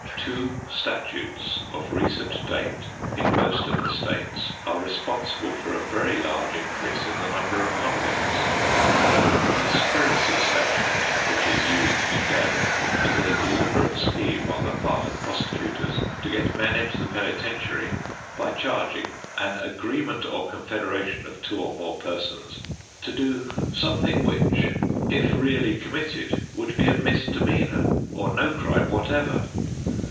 Two statutes of recent date in most of the states are responsible for a very large increase in the number of convicts. The conspiracy statute which is used today is a deliberate scheme on the part of prosecutors to get men into the penitentiary by charging an agreement or confederation of two or more persons to do something, which, if really committed, would be a misdemeanor, or no crime whatever.